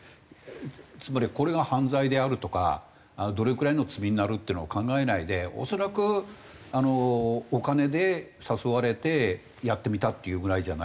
つまりこれが犯罪であるとかどれくらいの罪になるっていうのを考えないで恐らくお金で誘われてやってみたっていうぐらいじゃないかなと思いますよ。